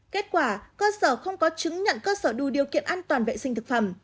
kết quả cơ sở không có chứng nhận cơ sở đủ điều kiện an toàn vệ sinh thực phẩm